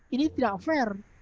ini tidak adil